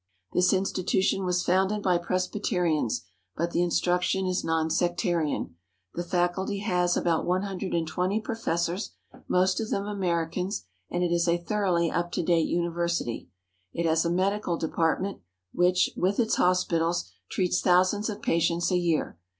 This institution was founded by Presbyterians, but the instruction is non sectarian. The faculty has about one hundred and twenty professors, most of them Americans, and it is a thoroughly up to date university. It has a medical department which, with its hospitals, treats thousands of patients a year.